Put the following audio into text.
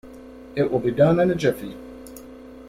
It will be done in a jiffy.